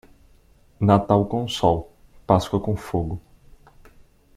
Natal com sol, Páscoa com fogo.